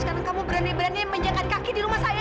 sekarang kamu berani berani menjaga kaki di rumah saya